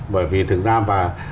bởi vì thực ra và